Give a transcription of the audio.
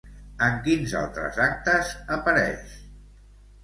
En quins altres actes apareix?